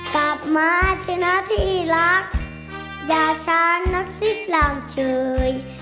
กลับมาถึงหน้าที่รักอย่าช้างนักศิษย์หล่างช่วย